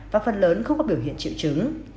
và phần lớn không có biểu hiện triệu chứng